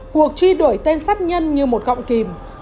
cuộc truy đổi tên sát nhân như một gọng kìm